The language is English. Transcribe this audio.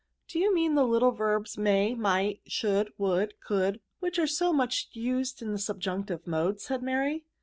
*'" Do you mean the little verbs may, might, should, would, could, which are so much used in the subjunctive mode V* said Mary.